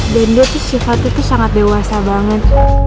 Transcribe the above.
dan dia sih sifatnya tuh sangat dewasa banget